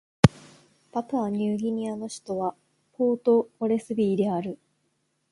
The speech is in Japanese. パプアニューギニアの首都はポートモレスビーである